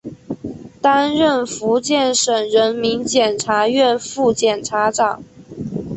担任福建省人民检察院副检察长。